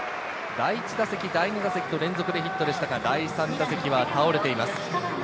第１打席、第２代打連続でヒットでしたが、第３打席は倒れています。